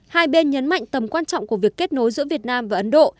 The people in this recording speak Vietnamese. hai bên nhấn mạnh tầm quan trọng của việc kết nối giữa việt nam và ấn độ